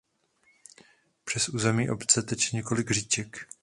Přes území obce teče několik říček.